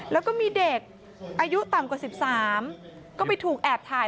แล้วก็มีเด็กอายุต่ำกว่า๑๓ก็ไปถูกแอบถ่าย